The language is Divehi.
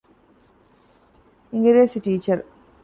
އިނގިރޭސި ޓީޗަރ